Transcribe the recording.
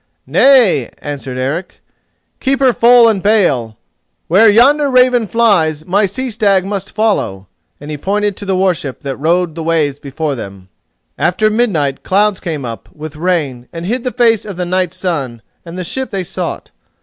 "Nay," answered Eric, "keep her full and bail. Where yonder Raven flies, my Sea stag must follow," and he pointed to the warship that rode the waves before them. After midnight clouds came up, with rain, and hid the face of the night sun and the ship they sought.